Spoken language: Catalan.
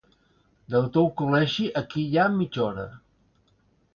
Del teu col·legi aquí hi ha mitja hora.